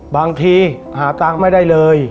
บางทีหาตังค์ไม่ได้เลย